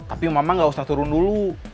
tapi mama gak usah turun dulu